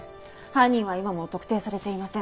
犯人は今も特定されていません。